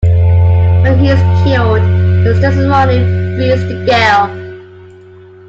When he is cured, his testimony frees the girl.